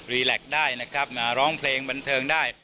รีแล็กได้มาร้องเพลงบันเทิงได้